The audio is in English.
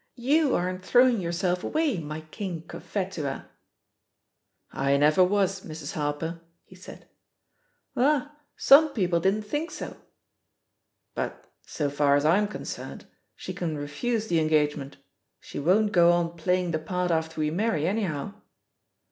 '^You aren't throwing yourself away, my King Cophetual" "I never was, Mrs. Harper," he said. "Ah 1 some people didn't think so." "But, so far as I'm concerned, she can refuse the engagement. She won't go on playing the part after we marry, anyhow."